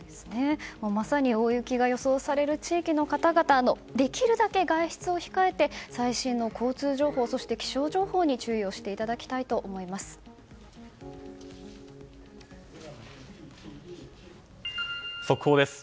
まさに大雪が予想される地域の方々はできるだけ外出を控えて最新の交通情報そして気象情報に注意を速報です。